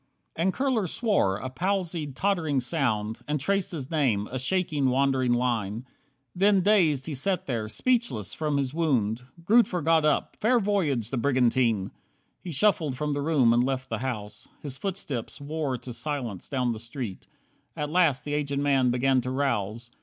16 And Kurler swore, a palsied, tottering sound, And traced his name, a shaking, wandering line. Then dazed he sat there, speechless from his wound. Grootver got up: "Fair voyage, the brigantine!" He shuffled from the room, and left the house. His footsteps wore to silence down the street. At last the aged man began to rouse.